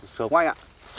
sướng quá anh ạ